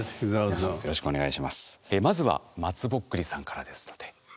まずはまつぼっくりさんからですので。